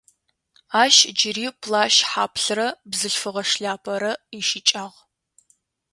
Ащ джыри плащ хьаплърэ бзылъфыгъэ шляпэрэ ищыкӏагъ.